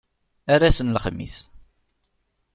Ar ass n lexmis!